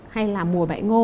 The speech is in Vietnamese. hay là mùa bãi ngô